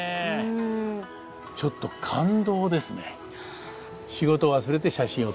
ちょっと感動ですね。